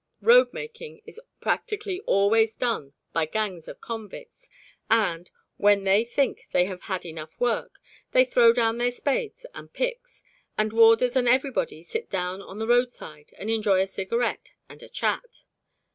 Roadmaking is practically always done by gangs of convicts, and, when they think they have had enough work, they throw down their spades and picks, and warders and everybody sit down on the roadside and enjoy a cigarette and a chat.